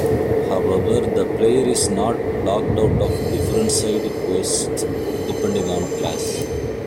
However, the player is not locked out of different side quests depending on class.